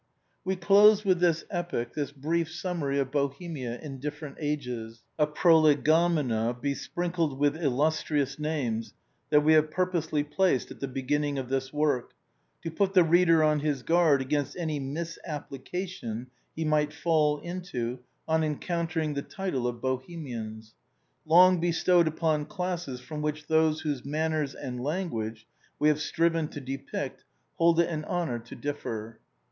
We close with this epoch this brief summary of Bohemia ilïXVi ORIGINAL PREFACE. in different ages, a prolegomenon besprinkled with illustri ous names that we have purposely placed at the beginning of this work, to put the reader on his guard against any mis application he might fall into on encountering the title of Bohemians; long bestowed upon classes from which those whose manners and language we have striven to depict hold it an honor to differ.